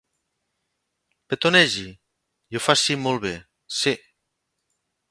Petonegi, i ho faci molt bé, sí.